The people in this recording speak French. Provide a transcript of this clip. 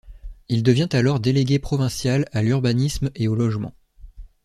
Il devient alors délégué provincial à l'Urbanisme et au Logement.